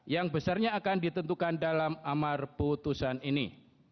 yang besarnya akan ditentukan dalam amar putusan ini